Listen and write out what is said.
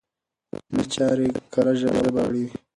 رسمي چارې کره ژبه غواړي.